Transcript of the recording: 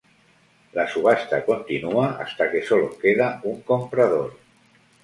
La subasta continúa hasta que sólo queda un comprador.